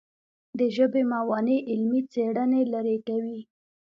د ژبې موانع علمي څېړنې لیرې کوي.